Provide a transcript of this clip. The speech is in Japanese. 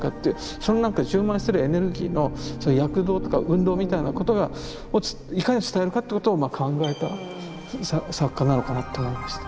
そのなんか充満してるエネルギーの躍動とか運動みたいなことがいかに伝えるかってことを考えた作家なのかなって思いました。